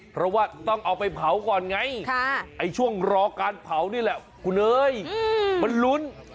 เพราะว่าต้องเอาไปเผาก่อนไงช่วงรอการเผานี่แหละคุณเอ๋ยมันลุ้น